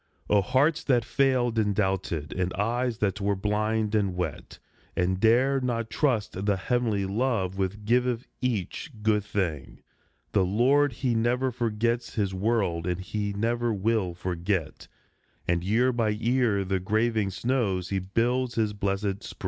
O hearts that failed and doubted, and eyes that were blind and wet, And dared not trust the heavenly love which giveth each good thing, The Lord he never forgets his world, and he never will forget, And year by year from the graving snows he builds his blessed spring